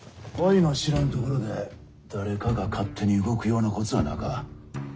おいの知らんところで誰かが勝手に動くようなこつはなか。